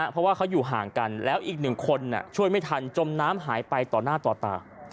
เพราะว่าเขาอยู่ห่างกันแล้วอีกหนึ่งคนช่วยไม่ทันจมน้ำหายไปต่อหน้าต่อตา